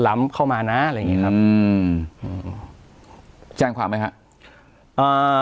ล้ำเข้ามานะอะไรอย่างเงี้ครับอืมอืมแจ้งความไหมฮะอ่า